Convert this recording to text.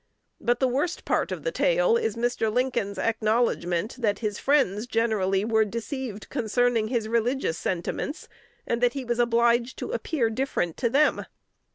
But the worst part of the tale is Mr. Lincoln's acknowledgment that his "friends generally were deceived concerning his religious sentiments, and that he was obliged to appear different to them."